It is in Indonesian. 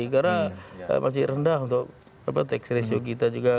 karena masih rendah untuk tax ratio kita juga